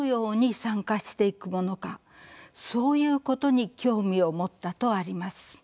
そういうことに興味を持った」とあります。